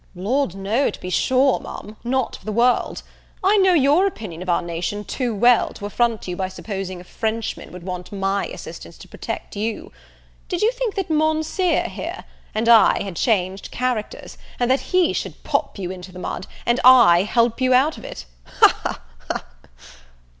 "Lord, no, to be sure, Ma'am, not for the world! I know your opinion of our nation too well, to affront you by supposing a Frenchman would want my assistance to protect you. Did you think that Monseer here, and I had changed characters, and that he should pop you into the mud, and I help you out of it? Ha, ha, ha!"